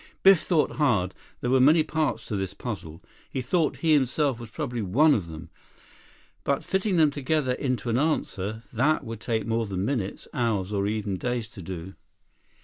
Biff thought hard. There were many parts to this puzzle. He thought he himself was probably one of them. But fitting them together into an answer—that would take more than minutes, hours, or even days to do.